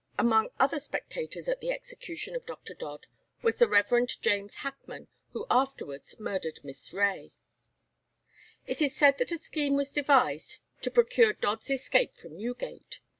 Among other spectators at the execution of Dr. Dodd was the Rev. James Hackman, who afterwards murdered Miss Reay. It is said that a scheme was devised to procure Dodd's escape from Newgate.